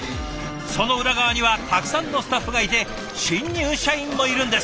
その裏側にはたくさんのスタッフがいて新入社員もいるんです。